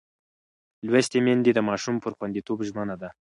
لوستې میندې د ماشوم پر خوندیتوب ژمنه ده.